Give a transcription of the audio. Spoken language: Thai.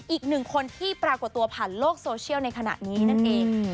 อีกหนึ่งคนที่ปรากฏตัวผ่านโลกโซเชียลในขณะนี้นั่นเอง